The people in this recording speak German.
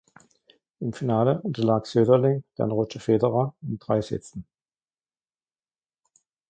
Im Finale unterlag Söderling dann Roger Federer in drei Sätzen.